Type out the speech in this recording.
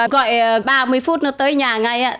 gọi ba mươi phút nó tới nhà ngay